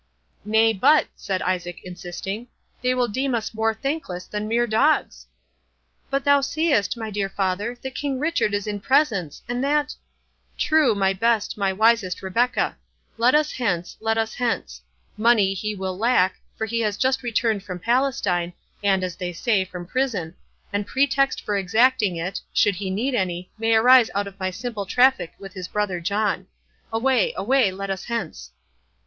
"Nay, but," said Isaac, insisting, "they will deem us more thankless than mere dogs!" "But thou seest, my dear father, that King Richard is in presence, and that— " "True, my best—my wisest Rebecca!—Let us hence—let us hence!—Money he will lack, for he has just returned from Palestine, and, as they say, from prison—and pretext for exacting it, should he need any, may arise out of my simple traffic with his brother John. Away, away, let us hence!"